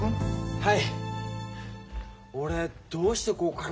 はい。